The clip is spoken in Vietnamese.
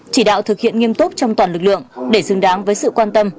chỉ đạo thực hiện nghiêm túc trong toàn lực lượng để xứng đáng với sự quan tâm